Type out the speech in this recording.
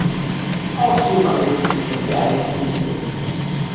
Auch hier mangelt es uns an geeigneten Initiativen.